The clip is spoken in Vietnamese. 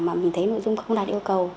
mà mình thấy nội dung không đạt yêu cầu